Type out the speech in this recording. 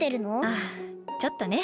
ああちょっとね。